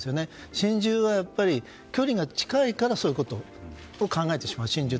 心中は、距離が近いからそういうことを考えてしまう。